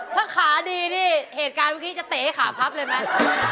ถ้าขาดีนี่เหตุการณ์เมื่อกี้จะเตะให้ขาพับเลยไหม